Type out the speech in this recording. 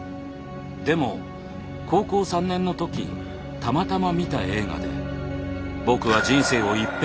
でも高校３年の時たまたま見た映画で僕は人生を一変させることになる。